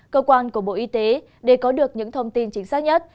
cơ quan của bộ y tế để có được những thông tin chính xác nhất